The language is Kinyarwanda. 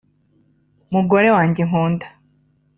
Mugore wanjye nkunda